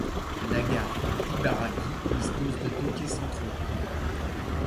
La gare d'Ibaraki dispose de deux quais centraux.